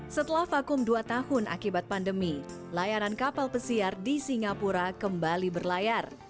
setelah vakum dua tahun akibat pandemi layanan kapal pesiar di singapura kembali berlayar